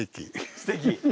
すてき。